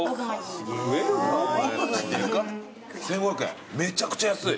１，５００円めちゃくちゃ安い。